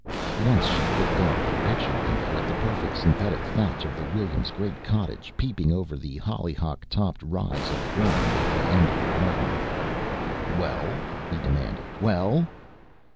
Once she looked out the picture window at the perfect synthetic thatch of the Williams' great cottage, peeping over the hollyhock topped rise of ground at the end of the garden. "Well?" he demanded. "Well?"